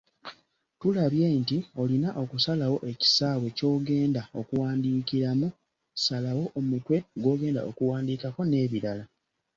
Tulabye nti olina okusalawo ekisaawe ky’ogenda okuwandiikiramu, salawo omutwe gw’ogenda okuwandiikako n'ebirala. ,